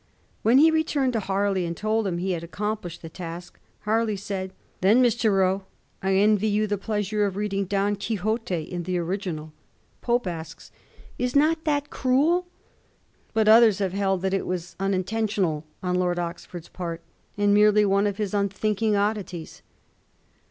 When he returned to Harley and told him he had accomplished the task, Harley said, ^ Then, Mr. Rowe, I envy you the pleasure of reading " Don Quixote " in the original.' Pope asks, * Is not that Digiti zed by Google 1714 WALPOLE. 41 cruel ?* But others have held that it was uninten tional on Lord Oxford's part, and merely one of his unthinking oddities.